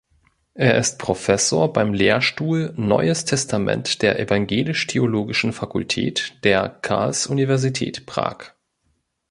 Er ist Professor beim Lehrstuhl Neues Testament der Evangelisch-Theologischen Fakultät der Karls-Universität Prag.